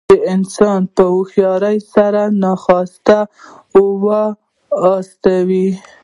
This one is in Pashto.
چې انسان په هوښیارۍ سره ناخوښه واوسي.